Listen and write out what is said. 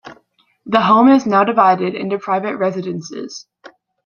The home is now divided into private residences.